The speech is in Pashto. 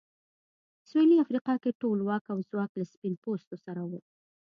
سوېلي افریقا کې ټول واک او ځواک له سپین پوستو سره و.